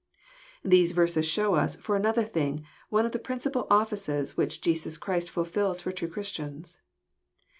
These verses show us, for another thing, one of the prinr eipal offices which Jesiis Christ fills for true Christians.